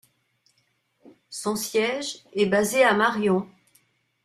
Son siège est basé à Marion.